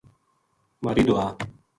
مھاری دُعا